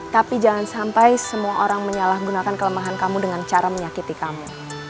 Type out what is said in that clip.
tapi jangan sampai semua orang menyalahgunakan kelemahan kamu dengan cara menyakiti kamu